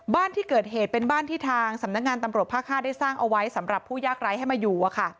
บ้านที่เกิดเหตุเป็นบ้านที่ทางสำนักงานตำรวจภาค๕ได้สร้างเอาไว้สำหรับผู้ยากไร้ให้มาอยู่